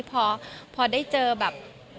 คุณแม่มะม่ากับมะมี่